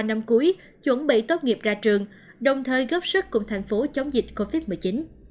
năm cuối chuẩn bị tốt nghiệp ra trường đồng thời góp sức cùng thành phố chống dịch covid một mươi chín